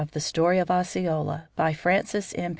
THE STORY OF OSCEOLA BY FRANCES M.